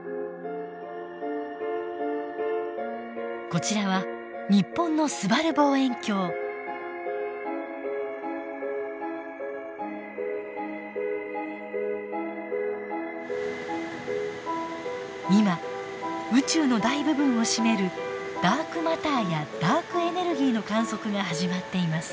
こちらは日本の今宇宙の大部分を占めるダークマターやダークエネルギーの観測が始まっています。